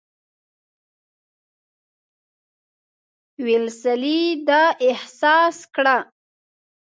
ویلسلي دا احساس کړه.